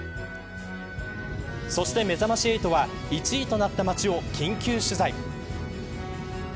そしてめざまし８は１位となった町を緊急取材。